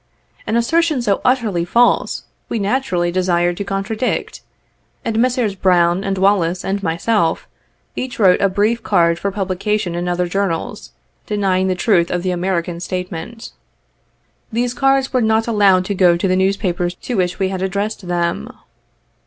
An assertion so utterly false we naturally desired to contradict, and Messrs. Brown, and Wallis, and myself, each wrote a brief card for publi cation in other journals, denying the truth of the American's statement. These cards were not allowed to go to the newspapers to which we had addressed them.